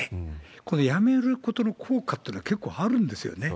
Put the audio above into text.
この辞めることの効果というのは結構あるんですよね。